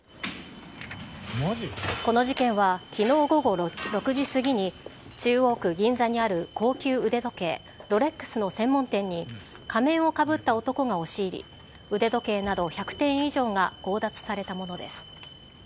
この事件はきのう午後６時過ぎに、中央区銀座にある高級腕時計、ロレックスの専門店に、仮面をかぶった男が押し入り、腕時計など１００点以上が強奪されたものです。